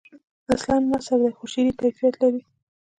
اصلاً نثر دی خو شعری کیفیت لري.